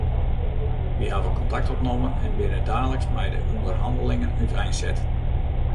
Wy hawwe kontakt opnommen en binne daliks mei de ûnderhannelingen úteinset.